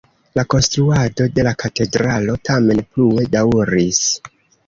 La konstruado de la katedralo tamen plue daŭris.